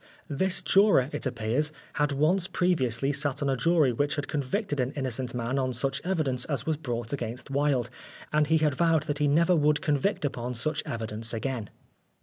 This juror, it appears, had once previously sat on a jury which had convicted an innocent man on such evidence as was brought against Wilde, and he had vowed that he never would convict upon such evidence again.